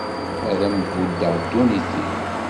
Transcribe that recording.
Ad am-buddeɣ ddunit-iw.